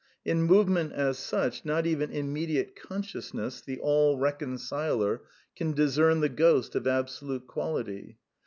In movement, as such, not even immediate consciousness, the all reconciler, can discern the ghost of absolute quality.